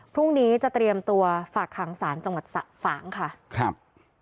พรุ่งนี้จะเตรียมตัวฝากขังศาลจังหวัดฝางค่ะครับ